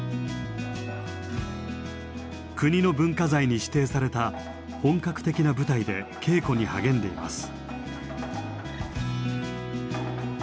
国の文化財に指定された本格的な舞台で稽古に励んでいます。